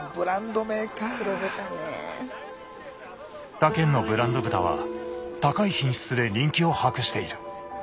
他県のブランド豚は高い品質で人気を博している。